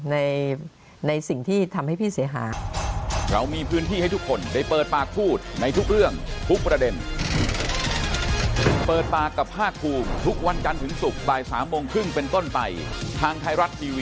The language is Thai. ในสิ่งที่ทำให้พี่เสียหาย